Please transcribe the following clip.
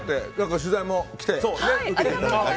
取材も来て。